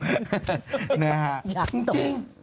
อย่างตก